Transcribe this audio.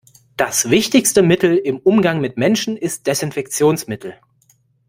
Das wichtigste Mittel im Umgang mit Menschen ist Desinfektionsmittel.